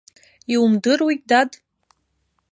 Иумдыруеи, дад.